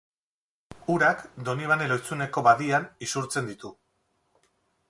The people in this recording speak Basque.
Urak Donibane Lohizuneko badian isurtzen ditu.